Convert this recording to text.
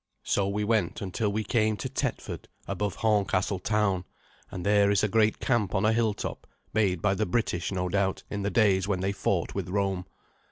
So we went until we came to Tetford, above Horncastle town; and there is a great camp on a hilltop, made by the British, no doubt, in the days when they fought with Rome.